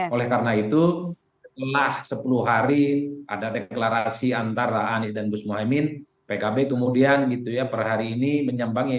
oleh karena itu setelah sepuluh hari ada deklarasi antara anies dan gus mohaimin pkb kemudian gitu ya per hari ini menyambangi